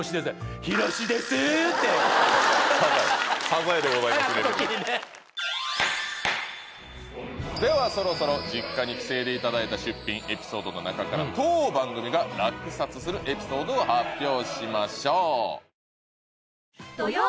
「サザエでございます」レベル。ではそろそろ実家に帰省で頂いた出品エピソードの中から当番組が落札するエピソードを発表しましょう。